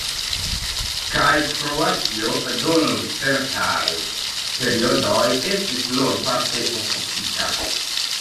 Kaj Kroatio dum certaj periodoj estis nur parte okupita.